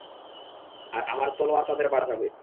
আর আমার তলোয়ার তাদের বাঁচাবে।